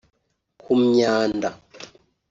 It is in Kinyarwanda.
ku myanda